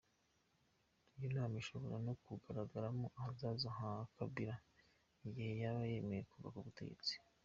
Iyo nama ishobora no kuganirirwamo ahazaza ha Kabila igihe yaba yemeye kuva ku butegetsi.